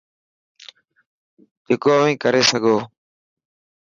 جڪو اوهين ڪري سگو.